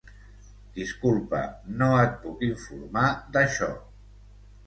Disculpa, no et puc informar d'això.